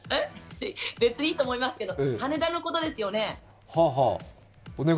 別にいいと思いますけど、羽田のことですよね。